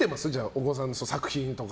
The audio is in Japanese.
お子さんの作品とか。